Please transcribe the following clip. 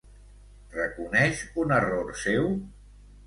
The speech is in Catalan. Reconeix un error seu?